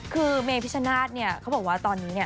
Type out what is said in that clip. คือเมพิชชนาธิ์เขาบอกว่าตอนนี้